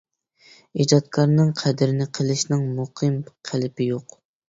ئىجادكارنىڭ قەدرىنى قىلىشنىڭ مۇقىم قېلىپى يوق.